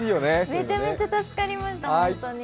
めちゃめちゃ助かりました、本当に。